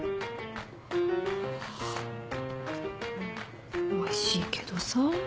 うんおいしいけどさ。